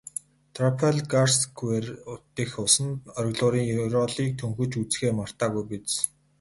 Трафальгарсквер дэх усан оргилуурын ёроолыг төнхөж үзэхээ мартаагүй биз?